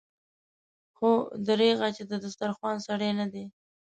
خو دريغه چې د دسترخوان سړی نه دی.